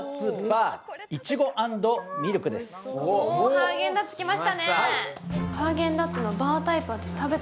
ハーゲンダッツきましたね。